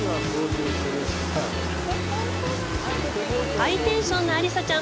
ハイテンションなアリサちゃん